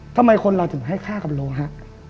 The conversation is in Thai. ทำไมคนเราถึงให้ค่ากับโลหะ